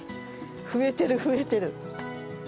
増えてる増えてる。